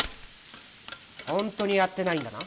ホントにやってないんだな？